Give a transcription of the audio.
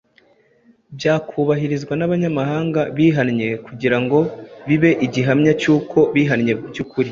byakubahirizwa n’Abanyamahanga bihanye kugira ngo bibe igihamya cy’uko bihanye by’ukuri